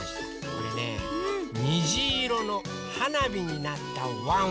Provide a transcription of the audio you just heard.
これねにじいろのはなびになったワンワンをかいてくれました。